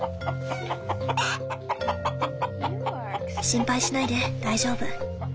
心配しないで大丈夫。